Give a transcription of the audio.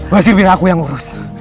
basir bilang aku yang urus